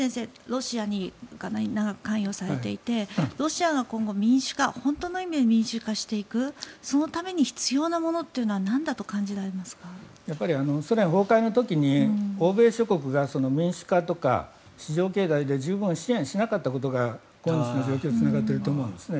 ロシアに長く関与されていてロシアが今後、本当の意味で民主化していくために必要なものはソ連崩壊の時に欧米諸国が民主化とか市場経済で十分支援しなかったことが今日の状況につながっていると思うんですね。